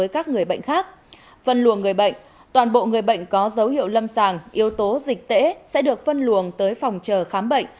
các bộ người bệnh có dấu hiệu lâm sàng yếu tố dịch tễ sẽ được phân luồng tới phòng chờ khám bệnh